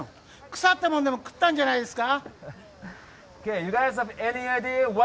腐ったもんでも食ったんじゃないですか？